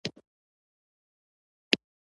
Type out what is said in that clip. ګواکې دوی او دین بې ملاتړي شول